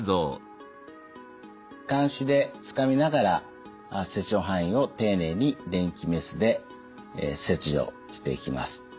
かんしでつかみながら切除範囲を丁寧に電気メスで切除していきます。